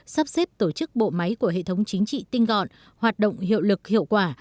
sắp xếp tổ chức bộ máy của hệ thống chính trị tinh gọn hoạt động hiệu lực hiệu quả